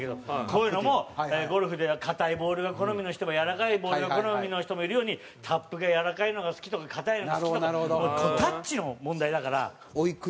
こういうのもゴルフでは硬いボールが好みの人もやわらかいボールが好みの人もいるようにタップがやわらかいのが好きとか硬いのが好きとかこれタッチの問題だから。